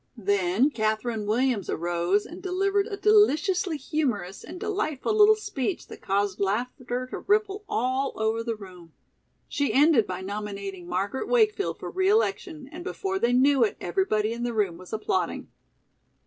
Then Katherine Williams arose and delivered a deliciously humorous and delightful little speech that caused laughter to ripple all over the room. She ended by nominating Margaret Wakefield for re election and before they knew it everybody in the room was applauding.